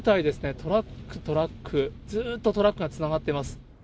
トラック、トラック、ずーっとトラックがつながってます。